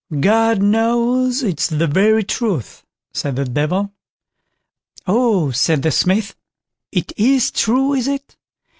"God knows, it is the very truth", said the Devil. "Oh!" said the Smith; "it is true, is it?